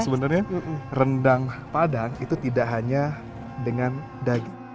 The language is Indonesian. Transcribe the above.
sebenarnya rendang padang itu tidak hanya dengan daging